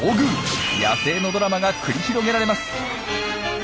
野生のドラマが繰り広げられます。